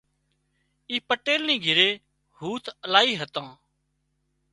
اي پٽيل نِي گھري هوٿ الاهي هتان